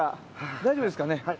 大丈夫ですかね？